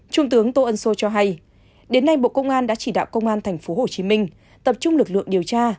trung tướng tô ân sô cho hay đến nay bộ công an đã chỉ đạo công an tp hcm tập trung lực lượng điều tra